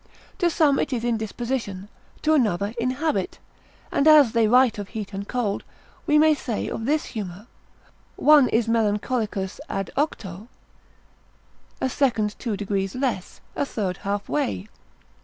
To some it is in disposition, to another in habit; and as they write of heat and cold, we may say of this humour, one is melancholicus ad octo, a second two degrees less, a third halfway.